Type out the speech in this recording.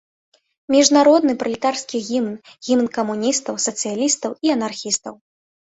Міжнародны пралетарскі гімн, гімн камуністаў, сацыялістаў і анархістаў.